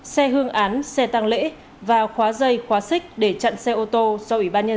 xe hương án xe tăng lễ và khóa dây khóa xích để chặn xe ô tô do ủy ban nhân dân